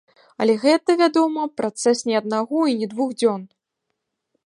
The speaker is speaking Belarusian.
Але гэта, вядома, працэс не аднаго і не двух дзён.